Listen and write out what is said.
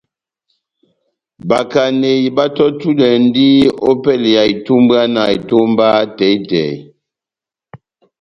Bakaneyi batɔ́tudwɛndi opɛlɛ ya itumbwana etómba tɛhi-tɛhi.